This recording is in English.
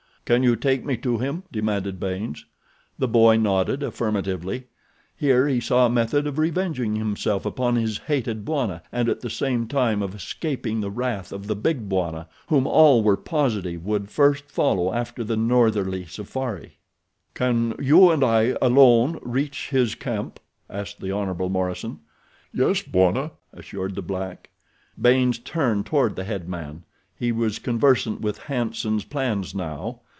"Can you take me to him?" demanded Baynes. The boy nodded affirmatively. Here he saw a method of revenging himself upon his hated Bwana and at the same time of escaping the wrath of the Big Bwana whom all were positive would first follow after the northerly safari. "Can you and I, alone, reach his camp?" asked the Hon. Morison. "Yes, Bwana," assured the black. Baynes turned toward the head man. He was conversant with "Hanson's" plans now.